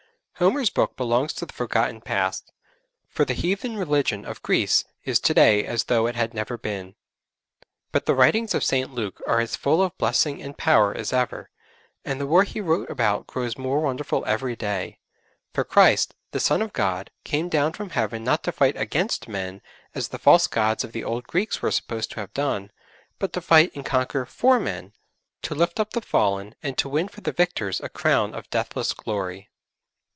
Homer's book belongs to the forgotten past, for the heathen religion of Greece is to day as though it had never been. But the writings of St. Luke are as full of blessing and power as ever, and the war he wrote about grows more wonderful every day. For Christ, the Son of God, came down from Heaven not to fight against men as the false gods of the old Greeks were supposed to have done, but to fight and conquer for men, to lift up the fallen, and to win for the victors a crown of deathless glory.